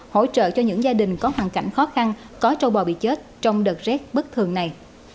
hỗ trợ cho những gia đình có hoàn cảnh khó khăn có trâu bò bị chết trong đợt rét bất thường này